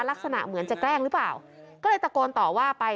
ลักษณะเหมือนจะแกล้งหรือเปล่าก็เลยตะโกนต่อว่าไป